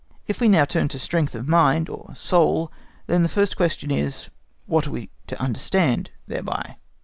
If we now turn to strength of mind or soul, then the first question is, What are we to understand thereby?